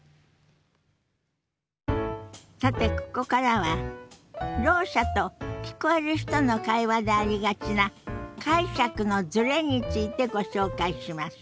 さてここからはろう者と聞こえる人の会話でありがちな解釈のズレについてご紹介します。